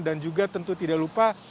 dan juga tentu tidak lupa